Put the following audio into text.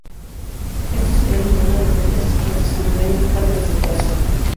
Este a su vez modula diferentes respuestas en diferentes partes del corazón.